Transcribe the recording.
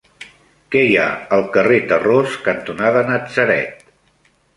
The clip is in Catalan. Què hi ha al carrer Tarròs cantonada Natzaret?